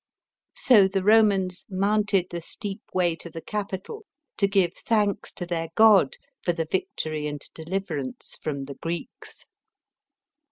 So the Romans mounted the steep way to the Capitol, to give thanks to their god, for the victory and deliverance from the Greeks.